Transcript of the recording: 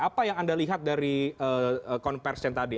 apa yang anda lihat dari konversen tadi